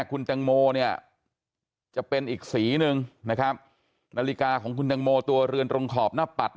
คุณแตงโมเนี่ยจะเป็นอีกสีหนึ่งนะครับนาฬิกาของคุณตังโมตัวเรือนตรงขอบหน้าปัด